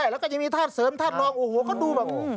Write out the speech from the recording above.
แล้วก็จะมีธาตุเสริมธาตุรองโอ้โหเขาดูแบบ